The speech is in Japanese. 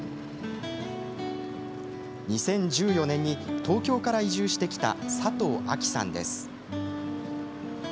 ２０１４年に東京から移住してきた佐藤亜紀さんです。